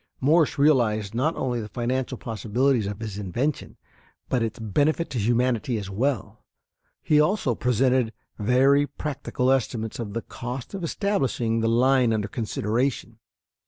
Morse realized not only the financial possibilities of his invention, but its benefit to humanity as well. He also presented very practical estimates of the cost of establishing the line under consideration.